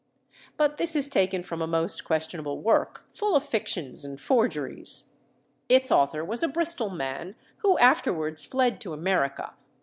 But this is taken from a most questionable work, full of fictions and forgeries. Its author was a Bristol man, who afterwards fled to America.